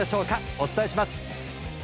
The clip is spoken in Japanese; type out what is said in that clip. お伝えします！